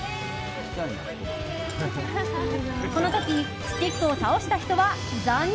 この時、スティックを倒した人は残念。